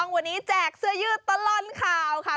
วันนี้แจกเสื้อยืดตลอดข่าวค่ะ